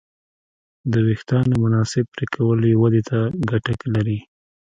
د وېښتیانو مناسب پرېکول یې ودې ته ګټه لري.